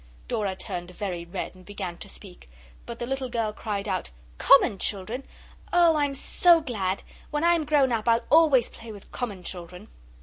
Dora turned very red and began to speak, but the little girl cried out 'Common children! Oh, I am so glad! When I am grown up I'll always play with common children.